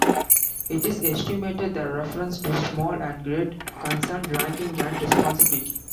It is estimated the reference to "small and great" concerned ranking and responsibility.